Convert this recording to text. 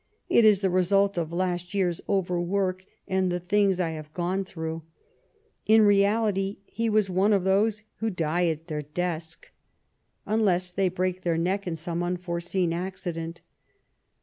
It is the result of last year's overwork and the things I have gone through." In reality he was of those who die at their desk, 214 Last Fights unless they break their neck in some unforeseen accident.